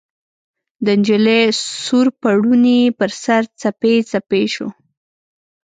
د نجلۍ سور پوړني ، پر سر، څپې څپې شو